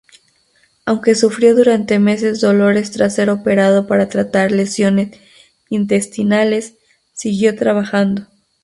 Aunque sufrió durante meses dolores tras ser operado para tratar lesiones intestinales, siguió trabajando.